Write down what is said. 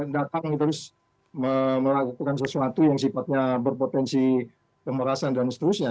datang terus melakukan sesuatu yang sifatnya berpotensi pemerasan dan seterusnya